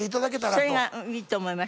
それがいいと思いました私も。